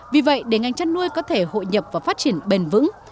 vì vậy để ngành chăn nuôi có thể hội nhập và phát triển bền vững